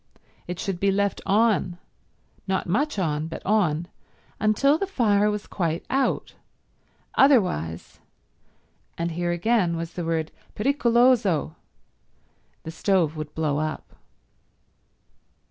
It should be left on—not much on, but on—until the fire was quite out; otherwise, and here again was the word pericoloso, the stove would blow up.